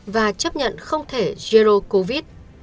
và chấp nhận không thể zero covid